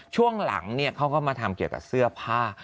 ช่วงหลังเขาก็มาทำเกี่ยวกับเสื้อผ้า